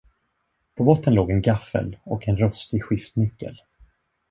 På botten låg en gaffel och en rostig skiftnyckel.